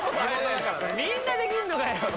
いみんなできんのかよ？